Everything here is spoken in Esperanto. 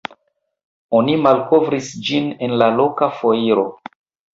Oni malkovris ĝin en loka foiro.